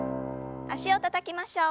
脚をたたきましょう。